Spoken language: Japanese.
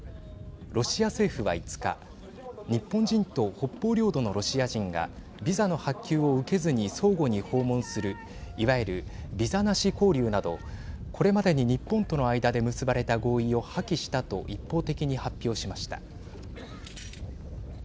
ロシア政府は、５日日本人と北方領土のロシア人がビザの発給を受けずに相互に訪問するいわゆる、ビザなし交流などこれまでに、日本との間で結ばれた合意を破棄したと一方的に発表しました。